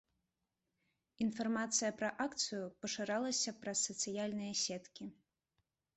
Інфармацыя пра акцыю пашыралася праз сацыяльныя сеткі.